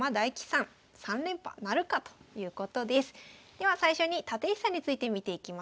では最初に立石さんについて見ていきましょう。